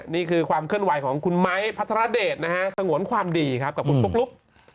นี่คือความเคลื่อนไหวของคุณไม้พัทรเดชนะฮะสงวนความดีครับกับคุณปุ๊กลุ๊ก